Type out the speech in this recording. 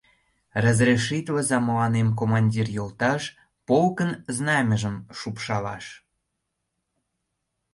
— Разрешитлыза мыланем, командир йолташ, полкын знамяжым шупшалаш?